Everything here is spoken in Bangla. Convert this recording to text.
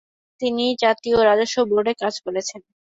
তিনি জাতীয় রাজস্ব বোর্ডে কাজ করেছেন।